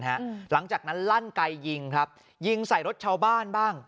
หลังจากนั้นลั่นไกยิงครับยิงใส่รถชาวบ้านบ้าง